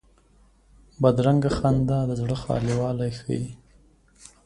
بدرنګه خندا د زړه خالي والی ښيي